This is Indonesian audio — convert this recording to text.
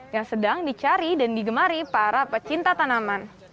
yang sedang dicari dan digemari para pecinta tanaman